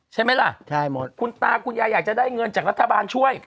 ใช่ไหมล่ะใช่หมดคุณตาคุณยายอยากจะได้เงินจากรัฐบาลช่วย